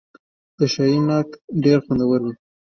د شاهي ناک ډیر خوندور وي.